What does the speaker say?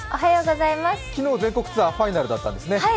昨日全国ツアーファイナルだったんですね。